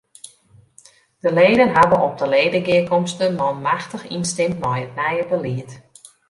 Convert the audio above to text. De leden hawwe op de ledegearkomste manmachtich ynstimd mei it nije belied.